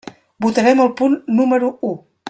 Votarem el punt número u.